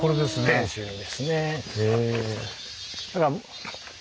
天守ですね。